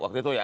waktu itu ya